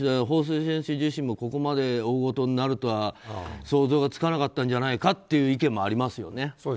ホウ・スイ選手自身もここまで大ごとになるとは想像がつかなかったんじゃないかという意見もありますよね。